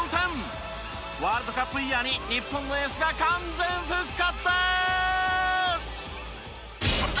ワールドカップイヤーに日本のエースが完全復活でーす！